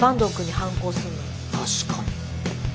確かに。